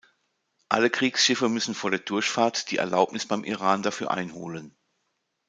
Alle Kriegsschiffe müssen vor der Durchfahrt die Erlaubnis beim Iran dafür einholen.